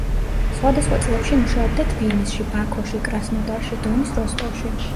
სხვადასხვა წლებში მუშაობდა თბილისში, ბაქოში, კრასნოდარში, დონის როსტოვში.